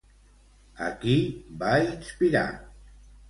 A qui va inspirar?